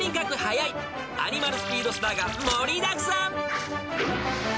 アニマルスピードスターが盛りだくさん］